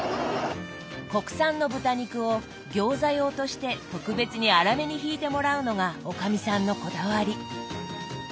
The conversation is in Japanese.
国産の豚肉を餃子用として特別に粗めにひいてもらうのがおかみさんのこだわり。